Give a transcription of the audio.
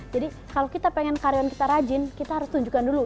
jadi kalau kita pengen karyawan kita rajin kita harus tunjukkan dulu